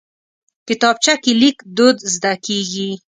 کتابچه کې لیک دود زده کېږي